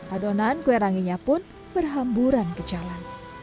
adonan kue ranginya pun berhamburan ke jalan